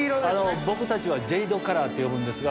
僕たちはジェイドカラーって呼ぶんですが。